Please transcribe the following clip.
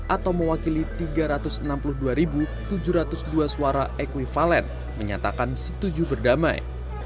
atau mewakili tiga ratus enam puluh dua tujuh ratus dua suara ekvivalen menyatakan setuju berdamai